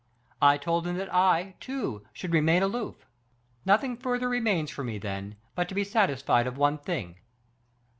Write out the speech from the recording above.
I told him that I, too, should remain aloof. Nothing further remains for me, then, but to be satisfied of one thing."